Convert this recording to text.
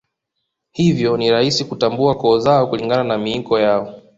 Hivyo ni rahisi kutambua koo zao kulingana na miiko yao